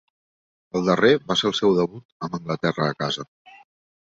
El darrer va ser el seu debut amb Anglaterra a casa.